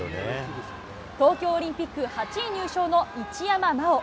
東京オリンピック８位入賞の一山麻緒。